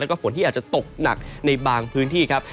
แล้วก็ฝนที่อาจจะตกหนักในบางพื้นที่ครับ